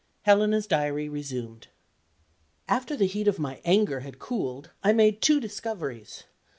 HELENA'S DIARY RESUMED. After the heat of my anger had cooled, I made two discoveries.